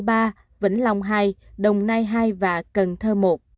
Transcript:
ba cà mau ba vĩnh long hai đồng nai hai và cần thơ một